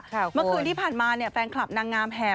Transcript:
เมื่อคืนที่ผ่านมาเนี่ยแฟนคลับนางงามแห่